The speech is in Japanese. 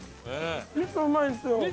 味噌うまいんですよ。